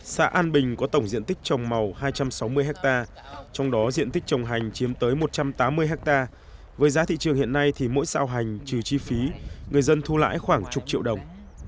xã an bình có tổng diện tích trồng màu hai trăm sáu mươi ha trong đó diện tích trồng hành chiếm tới một trăm tám mươi hectare với giá thị trường hiện nay thì mỗi sao hành trừ chi phí người dân thu lãi khoảng chục triệu đồng